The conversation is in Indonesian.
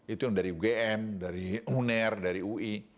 itu yang dari ugm dari uner dari ui